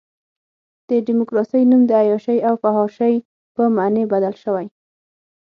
د ډیموکراسۍ نوم د عیاشۍ او فحاشۍ په معنی بدل شوی.